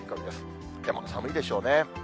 でも寒いでしょうね。